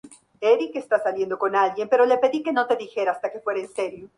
Su verdadero nombre era James Keith O'Neill, y nació en Londres, Inglaterra.